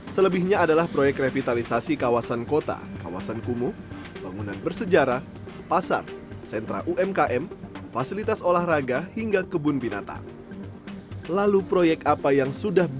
selebihnya adalah proyek revitalisasi kawasan kota kawasan kumuh bangunan bersejarah pasar sentra umkm fasilitas olahraga hingga kebun binatang